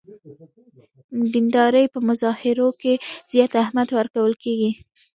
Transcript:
دیندارۍ په مظاهرو کې زیات اهمیت ورکول کېږي.